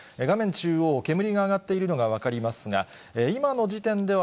中央、煙が上がっているのが分かりますが、今の時点では、